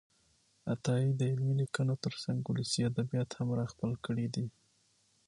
عطايي د علمي لیکنو ترڅنګ ولسي ادبیات هم راخپل کړي دي.